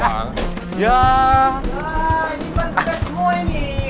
wah ini pas pes semua ini